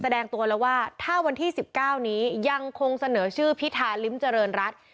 แสดงตัวแล้วว่าถ้าวันที่สิบเก้านี้ยังคงเสนอชื่อพิธาริมจริญรัชน์